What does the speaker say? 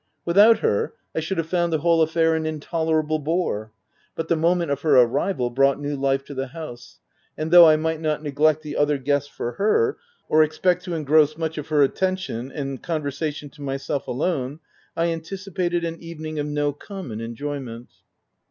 Without her I should have found the whole affair an intolerable bore ; but the moment of her arrival brought new life to the house ; and though I must not neglect the other guests for her, or expect to engross much of her attention and conversation to my self alone, I anticipated an evening of no com mon enjoyment.